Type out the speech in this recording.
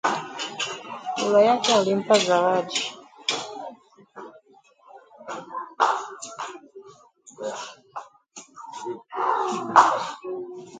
Baba yake alimpa zawadi